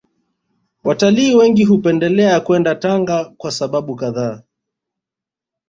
Watalii wengi hupendelea kwenda Tanga kwa sababu kadhaa